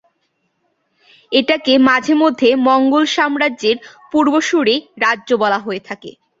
এটাকে মাঝেমধ্যে মঙ্গোল সাম্রাজ্যের পূর্বসূরী রাজ্য বলা হয়ে থাকে।